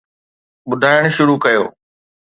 ٻڌائڻ شروع ڪيو